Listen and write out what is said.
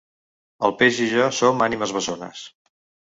El peix i jo som ànimes bessones.